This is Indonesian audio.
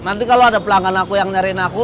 nanti kalau ada pelanggan aku yang nyariin aku